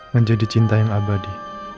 menjadi cinta yang abadi